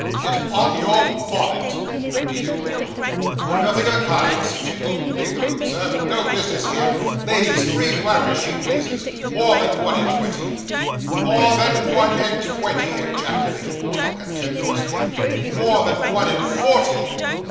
'Get on your bonnet,' repeated Wardle. 'Do nothing of the kind,' said Jingle. 'Leave the room, Sir no business here lady's free to act as she pleases more than one and twenty.' 'More than one and twenty!' ejaculated Wardle contemptuously. 'More than one and forty!